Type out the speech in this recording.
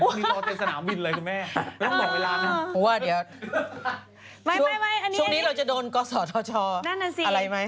ช่วงนี้เราจะโดนกษทชอะไรมั้ย